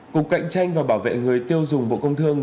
cục cạnh tranh và bảo vệ người tiêu dùng bộ công thương